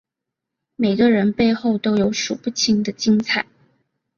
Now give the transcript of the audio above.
每个人背后都有数不清的精彩